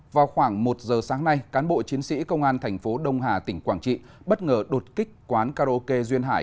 vào khoảng một giờ sáng nay cán bộ chiến sĩ công an thành phố đông hà tỉnh quảng trị bất ngờ đột kích quán karaoke duyên hải